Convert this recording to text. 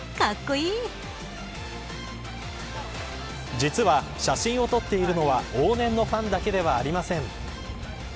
実は写真を撮っているのは往年のファンだけではありません。